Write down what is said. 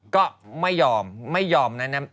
ก็ไม่ยอมไม่ยอมนะ